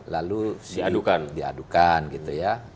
lalu diadukan gitu ya